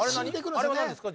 あれは何ですか？